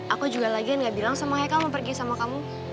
aku juga lagian gak bilang sama hekal mau pergi sama kamu